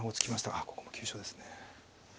ああここも急所ですね。